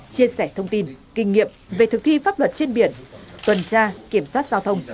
chia sẻ thông tin kinh nghiệm về thực thi pháp luật trên biển tuần tra kiểm soát giao thông